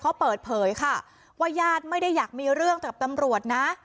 เขาเปิดเผยค่ะว่าญาติไม่ได้อยากมีเรื่องกับตำรวจนะ